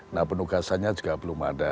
nah penugasannya juga belum ada